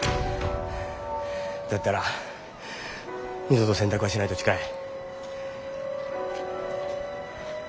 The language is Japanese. だったら二度と洗濯はしないと誓え。